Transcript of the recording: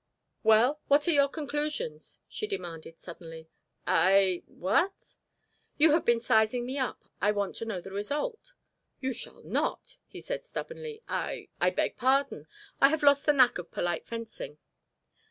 "Well? What are your conclusions?" she demanded suddenly. "I what?" "You have been sizing me up. I want to know the result." "You shall not," he said stubbornly. "I I beg pardon; I have lost the knack of polite fencing."